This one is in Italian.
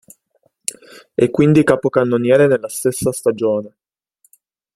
È quindi capocannoniere nella stessa stagione.